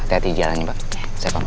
hati hati di jalannya mbak saya pamit